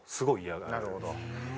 なるほど。